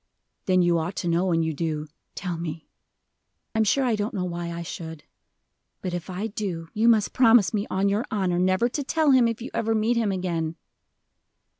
"Then you ought to know, and you do. Tell me." "I'm sure I don't know why I should. But if I do, you must promise me, on your honor, never to tell him, if you ever meet him again."